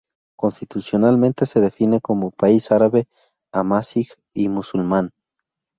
Constitucionalmente se define como país árabe, amazigh y musulmán.